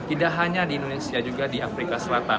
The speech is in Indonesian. tidak hanya di indonesia juga di afrika selatan